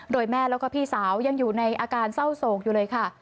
โดยแม่แล้วก็พี่สาวยังอยู่ในอาการเศร้าโศกอยู่เลยค่ะ